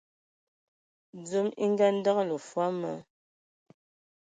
Dzom e andǝgələ fɔɔ ma,